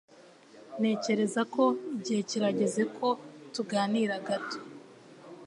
Ntekereza ko igihe kirageze ko tuganira gato.